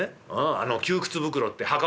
あの窮屈袋って袴ね。